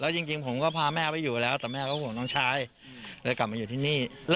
ทำไมทางครอบครัวถึง